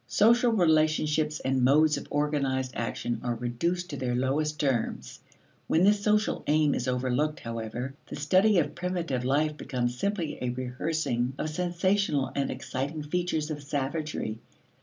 Social relationships and modes of organized action are reduced to their lowest terms. When this social aim is overlooked, however, the study of primitive life becomes simply a rehearsing of sensational and exciting features of savagery.